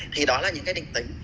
thì đó là những cái định tính